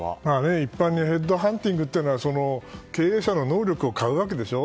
一般にヘッドハンティングというのは経営者の能力を買うわけでしょ。